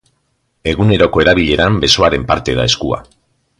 Eguneroko erabileran, besoaren parte da eskua.